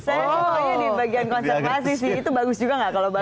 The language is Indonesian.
saya ketanya di bagian konservasi sih itu bagus juga gak kalau bagus